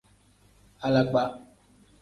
Alakpa.